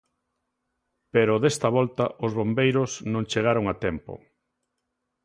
Pero desta volta os bombeiros non chegaron a tempo.